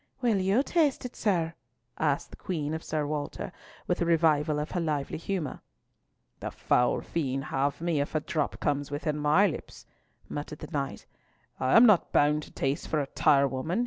"Will you taste it, sir?" asked the Queen of Sir Walter, with a revival of her lively humour. "The foul fiend have me if a drop comes within my lips," muttered the knight. "I am not bound to taste for a tirewoman!"